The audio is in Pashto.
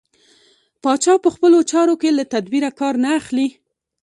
پاچا په خپلو چارو کې له تدبېره کار نه اخلي.